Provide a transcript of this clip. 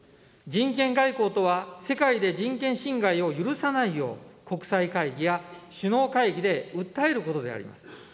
人権外交とは、世界で人権侵害を許さないよう国際会議や首脳会議で訴えることであります。